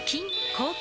抗菌！